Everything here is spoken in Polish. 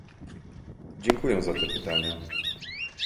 Dziękuję za te pytania